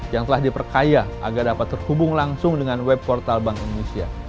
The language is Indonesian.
yang telah diperkaya agar dapat terhubung langsung dengan web portal bank indonesia